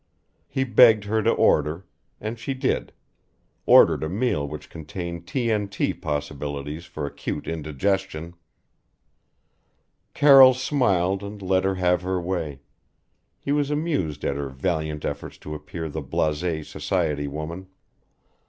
He begged her to order and she did: ordered a meal which contained T.N.T. possibilities for acute indigestion. Carroll smiled and let her have her way he was amused at her valiant efforts to appear the blasé society woman.